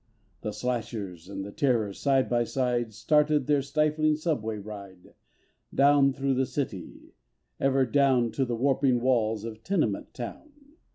The Slashers and Terrors, side by side, Started their stifling subway ride Down through the city, ever down To the warping walls of Tenement Town.